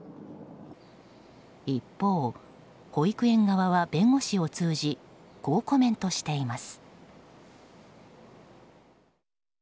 一方、保育園側は弁護士を通じこうコメントしています。